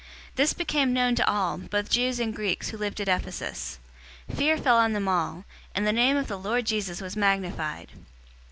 019:017 This became known to all, both Jews and Greeks, who lived at Ephesus. Fear fell on them all, and the name of the Lord Jesus was magnified.